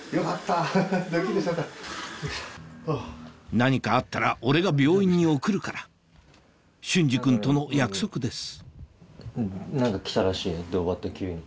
何かあったら俺が病院に送るから隼司君との約束ですドバっと急に。